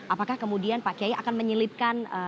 apakah kemudian pak kiai akan menyelipkan